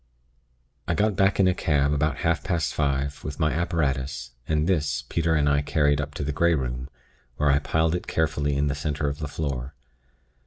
"I got back in a cab, about half past five, with my apparatus, and this, Peter and I carried up to the Grey Room, where I piled it carefully in the center of the floor.